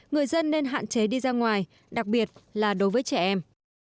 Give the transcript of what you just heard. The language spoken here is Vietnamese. người dân nên hạn chế đi ra ngoài đặc biệt là đối với trẻ em